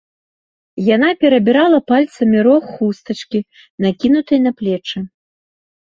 Яна перабірала пальцамі рог хустачкі, накінутай на плечы.